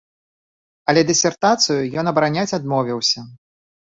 Але дысертацыю ён абараняць адмовіўся.